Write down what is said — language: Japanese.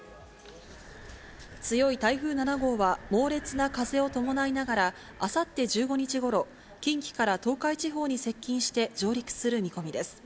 強い台風７号は猛烈な風を伴いながら、あさって１５日ごろ、近畿から東海地方に接近して上陸する見込みです。